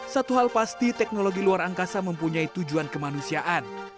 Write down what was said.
satu hal pasti teknologi luar angkasa mempunyai tujuan kemanusiaan